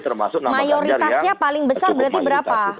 ya saya mau tanya mayoritasnya paling besar berarti berapa